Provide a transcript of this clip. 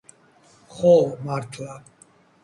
ხო მართლა